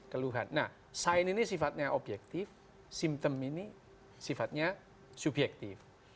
keluhan nah sign ini sifatnya objektif simptom ini sifatnya subjektif